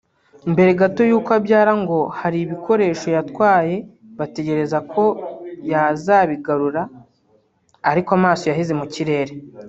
Mbere gato y’uko abyara ngo hari ibikoresho yatwaye bategereza ko yazabigarura ariko amaso yaheze mu kirere